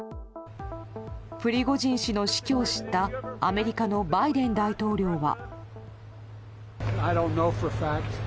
プリゴジン氏の死去を知ったアメリカのバイデン大統領は。